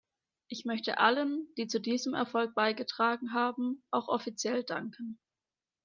Ich möchte allen, die zu diesem Erfolg beigetragen haben, auch offiziell danken.